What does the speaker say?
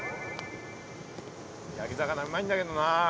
焼き魚うまいんだけどな。